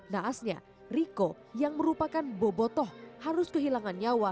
naasnya riko yang merupakan bobotoh harus kehilangan nyawa